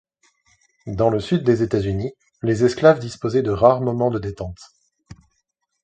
Dans le sud des États-Unis, les esclaves disposaient de rares moments de détente.